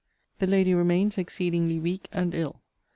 The lady remains exceedingly weak and ill.